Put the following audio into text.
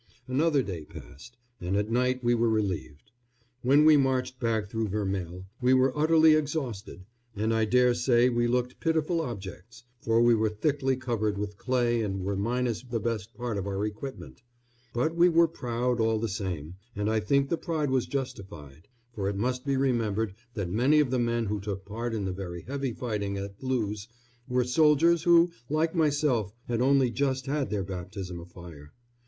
Another day passed, and at night we were relieved. When we marched back through Vermelles we were utterly exhausted, and I dare say we looked pitiful objects, for we were thickly covered with clay and were minus the best part of our equipment; but we were proud, all the same, and I think the pride was justified, for it must be remembered that many of the men who took part in the very heavy fighting at Loos were soldiers who, like myself, had only just had their baptism of fire.